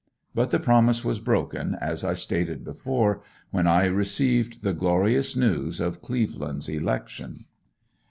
But the promise was broken, as I stated before, when I received the glorious news of Cleveland's election.